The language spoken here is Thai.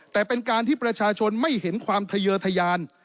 แต่เป็นการที่ประชาชนไม่เห็นความทะเยอร์ทะยาน